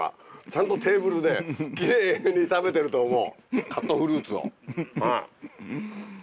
ちゃんとテーブルでキレイに食べてると思うカットフルーツを。